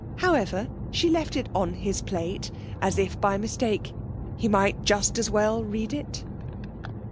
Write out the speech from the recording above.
However, she left it on his plate, as if by mistake. He might just as well read it.